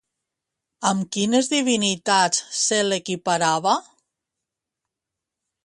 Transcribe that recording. Amb quines divinitats se l'equiparava?